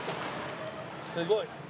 すごい。